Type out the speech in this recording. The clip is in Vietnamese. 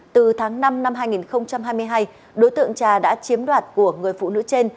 từ tháng năm năm hai nghìn hai mươi hai đối tượng trà đã chiếm đoạt của người phụ nữ trên